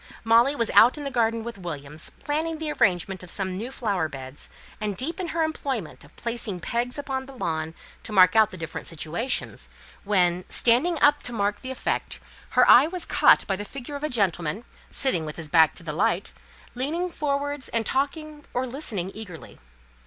Molly was out in the garden with Williams, planning the arrangement of some new flower beds, and deep in her employment of placing pegs upon the lawn to mark out the different situations, when, standing up to mark the effect, her eye was caught by the figure of a gentleman, sitting with his back to the light, leaning forwards and talking, or listening, eagerly.